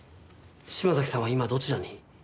島崎さんは今どちらに？